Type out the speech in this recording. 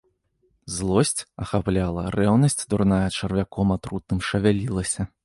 Злосць ахапляла, рэўнасць дурная чарвяком атрутным шавялілася.